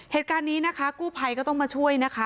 เหตุการณ์นี้นะคะกู้ภัยก็ต้องมาช่วยนะคะ